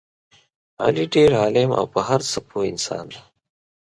علي ډېر عالم او په هر څه پوه انسان دی.